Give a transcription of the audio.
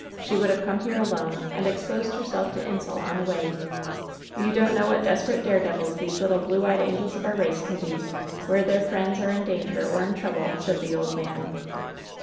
She would have come here alone and ex posed herself to insult on the way! You don't know what desperate dare devils these little blue eyed angels of our race can be, where their friends are in danger or in trouble V^ said the old man.